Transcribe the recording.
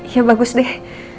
ya bagus deh